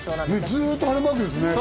ずっと晴れマークですね。